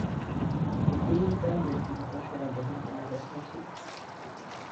এটিই তার ব্যক্তিগত সেরা বোলিং পরিসংখ্যান ছিল।